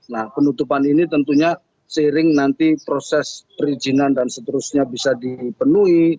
nah penutupan ini tentunya seiring nanti proses perizinan dan seterusnya bisa dipenuhi